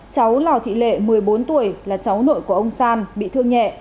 cháu lò thị lệ một mươi bốn tuổi là cháu nội của ông san bị thương nhẹ